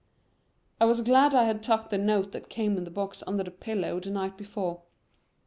I was glad I had tucked the note that came in the box under my pillow the night before.